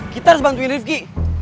kita harus bantuin rifqi